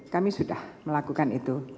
kami sudah melakukan itu